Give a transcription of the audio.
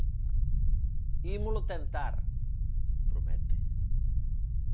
"Ímolo tentar", promete.